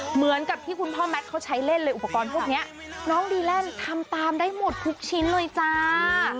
เหมือนกับที่คุณพ่อแมทเขาใช้เล่นเลยอุปกรณ์พวกนี้น้องดีแลนด์ทำตามได้หมดทุกชิ้นเลยจ้า